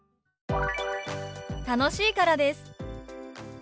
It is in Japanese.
「楽しいからです」。